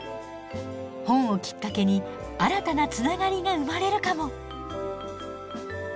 本をきっかけに新たなつながりが生まれるかも！